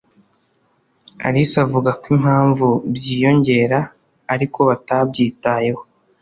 alice avuga ko impamvu byiyongera arikobatabyi taho